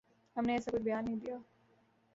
ہم نے ایسا کوئی بیان نہیں دیا